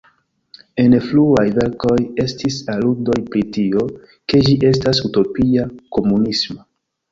En fruaj verkoj estis aludoj pri tio, ke ĝi estas utopia-komunisma.